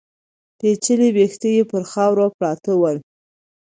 پيچلي ويښته يې پر خاورو پراته ول.